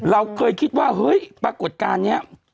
เราเคยคิดว่าเฮ้ยปรากฏการณ์นี้